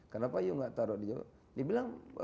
kenapa kamu gak taruh di jawa dia bilang